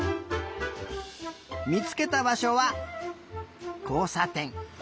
みつけたばしょはこうさてん。